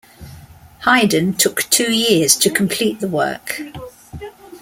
Haydn took two years to complete the work.